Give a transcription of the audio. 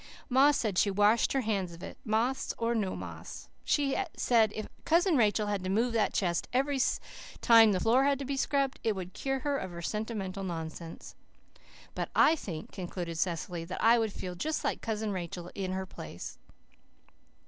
Ma said she washed her hands of it, moths or no moths. She said if Cousin Rachel had to move that chest every time the floor had to be scrubbed it would cure her of her sentimental nonsense. But I think," concluded Cecily, "that I would feel just like Cousin Rachel in her place."